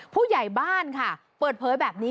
ผู้ใหญ่บ้านค่ะเปิดเผยแบบนี้